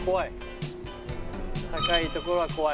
高い所は怖い。